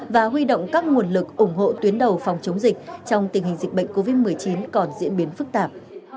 và huy động các nguồn lực ủng hộ tuyến đầu phòng chống dịch trong tình hình dịch bệnh covid một mươi chín còn diễn biến phức tạp